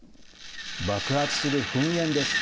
爆発する噴煙です。